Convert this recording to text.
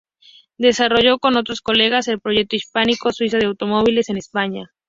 Desarrolló, con otros colegas, el proyecto Hispano-Suiza de Automóviles en España.